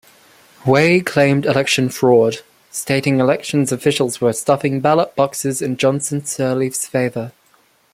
Weah claimed election fraud, stating elections officials were stuffing ballot boxes in Johnson-Sirleaf's favor.